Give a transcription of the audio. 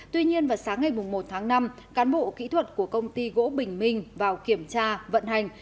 tuy nhiên vào sáng ngày một tháng năm cán bộ kỹ thuật của công ty gỗ bình minh vào kiểm tra vận hành